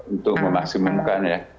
untuk memaksimumkan ya